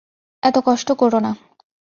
এত কষ্ট করো না।